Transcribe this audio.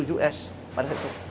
lima puluh us pada itu